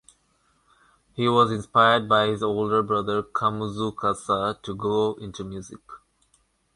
He was inspired by his older brother Kamuzu Kassa to go into music.